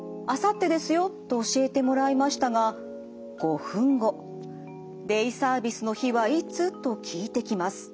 と教えてもらいましたが５分後「デイサービスの日はいつ？」と聞いてきます。